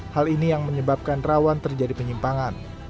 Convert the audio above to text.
hal ini yang menyebabkan rawan terjadi penyimpangan